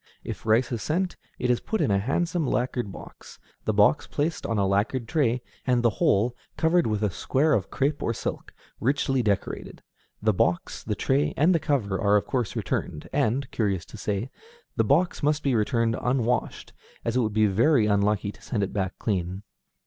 If rice is sent, it is put in a handsome lacquered box, the box placed on a lacquered tray, and the whole covered with a square of crêpe or silk, richly decorated. The box, the tray, and the cover are of course returned, and, curious to say, the box must be returned unwashed, as it would be very unlucky to send it back clean.